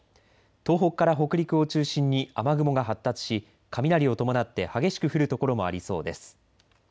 東北から北陸を中心に雨雲が発達し、雷を伴って激しく降る所もありそうです。